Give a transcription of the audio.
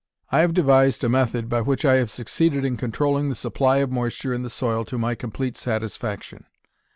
I have devised a method by which I have succeeded in controlling the supply of moisture in the soil to my complete satisfaction.